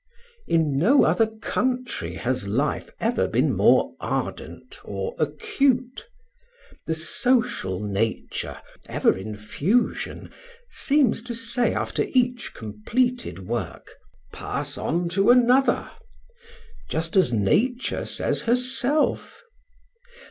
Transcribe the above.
In no other country has life ever been more ardent or acute. The social nature, even in fusion, seems to say after each completed work: "Pass on to another!" just as Nature says herself.